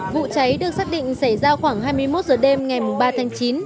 vụ cháy được xác định xảy ra khoảng hai mươi một h đêm ngày ba tháng chín